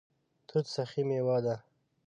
توت سخي میوه ده